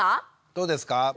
どうですか？